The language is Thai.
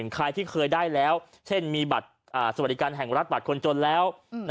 ใครที่เคยได้แล้วเช่นมีบัตรสวัสดิการแห่งรัฐบัตรคนจนแล้ว